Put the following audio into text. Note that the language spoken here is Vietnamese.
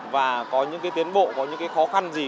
và có những cái tiến bộ có những cái khó khăn gì